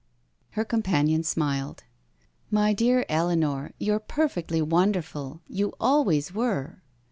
Her companion smiled. My dear Eleanor, you're perfectly wonderful — you always were."